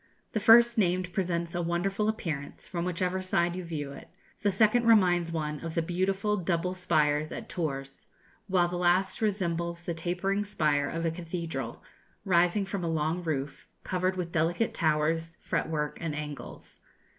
The first named presents a wonderful appearance, from whichever side you view it; the second reminds one of the beautiful double spires at Tours; while the last resembles the tapering spire of a cathedral, rising from a long roof, covered with delicate towers, fret work, and angles.